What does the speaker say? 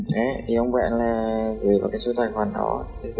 đấy thì ông bạn gửi vào cái số tài khoản đó tôi cho